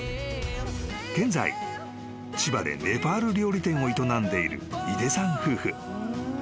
［現在千葉でネパール料理店を営んでいる井出さん夫婦］